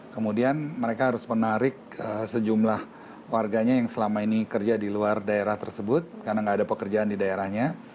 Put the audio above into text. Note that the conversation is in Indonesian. kemudian mereka harus menarik sejumlah warganya yang selama ini kerja di luar daerah tersebut karena nggak ada pekerjaan di daerahnya